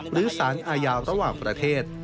หรือสารอาญาระหว่างประเทศ